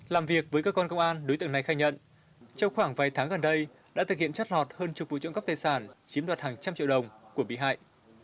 làm việc với các con công an đối tượng này khai nhận trong khoảng vài tháng gần đây đã thực hiện chất lọt hơn chục vụ trộm gắp tài sản chiếm đoạt hàng trăm triệu đồng của bị hại